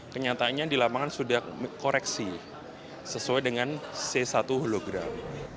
kenyataannya di lapangan sudah koreksi sesuai dengan c satu hologram